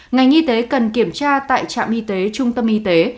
ngành y tế cần kiểm tra tại trạm y tế trung tâm y tế